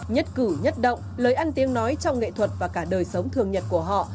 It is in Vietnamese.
nhất cử nhất động lời ăn tiếng nói trong nghệ thuật và cả đời sống thường nhật của họ